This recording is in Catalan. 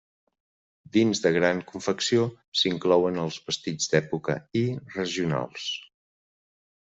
Dins de gran confecció s'inclouen els vestits d'època i regionals.